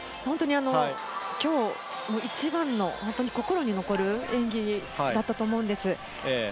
今日、一番、心に残る演技だったと思うんです。